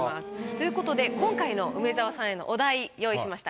という事で今回の梅沢さんへのお題用意しました。